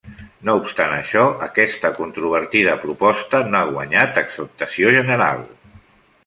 No obstant això aquesta controvertida proposta no ha guanyat acceptació general.